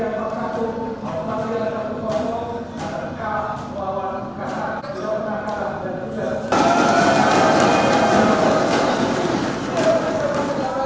yang berkaku maupun yang berkaku kaku ada rekam wawang kk jelang kk dan juga